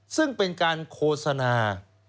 ซึ่งเป็นการโฆษณา